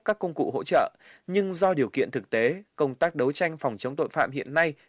các công cụ hỗ trợ nhưng do điều kiện thực tế công tác đấu tranh phòng chống tội phạm hiện nay